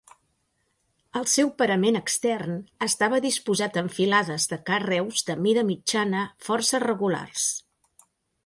El seu parament extern, estava disposat en filades de carreus de mida mitjana força regulars.